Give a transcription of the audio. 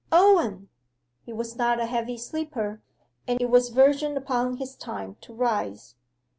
'Owen!' He was not a heavy sleeper, and it was verging upon his time to rise.